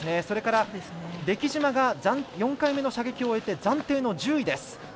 それから出来島が４回目の射撃を終えて暫定の１０位です。